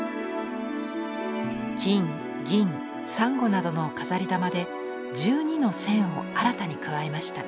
金銀珊瑚などの飾玉で１２の線を新たに加えました。